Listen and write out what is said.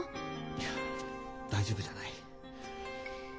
いや大丈夫じゃない。